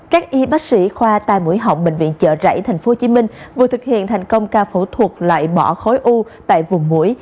các y bác sĩ khoa tài mũi họng bệnh viện chợ rảy tp hcm vừa thực hiện thành công ca phẫu thuật lại bỏ khối u tại vùng mũi